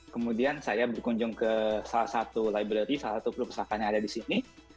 kemudian saya berkunjung ke salah satu library salah satu perpustakaan yang ada di sini